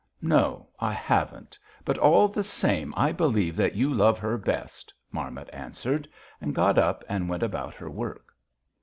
"'No, I haven't, but all the same I believe that you love her best,' Marmot answered; and got up and went about her work.